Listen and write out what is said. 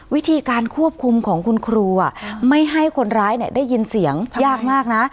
วิธีการควบคุมของคุณครูไม่ให้คนร้ายได้ยินเสียงยากมากนะ